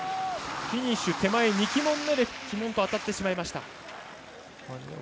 フィニッシュ手前２旗門目で旗門と当たってしまいました。